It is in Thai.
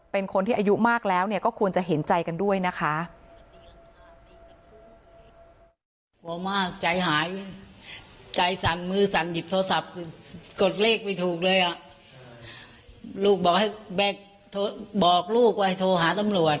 เป็นคนที่อายุมากแล้วเนี่ยก็ควรจะเห็นใจกันด้วยนะคะ